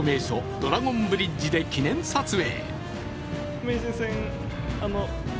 ドラゴンブリッジで記念撮影。